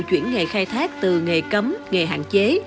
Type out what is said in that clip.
chuyển nghề khai thác từ nghề cấm nghề hạn chế